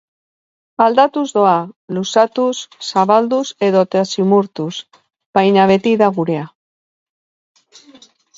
Aldatuz doa, luzatuz, zabalduz edota zimurtuz, baina beti da gurea.